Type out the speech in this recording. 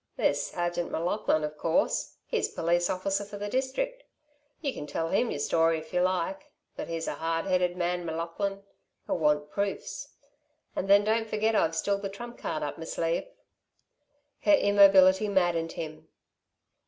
"There's Sergeant M'Laughlin, of course, he's police officer for the district. You can tell him your story if you like. But he's a hard headed man, M'Laughlin. He'll want proofs. And then don't forget I've still the trump card up me sleeve." Her immobility maddened him.